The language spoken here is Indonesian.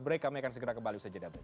break kami akan segera kembali